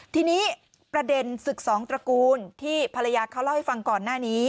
ทีนี้ประเด็นศึกสองตระกูลที่ภรรยาเขาเล่าให้ฟังก่อนหน้านี้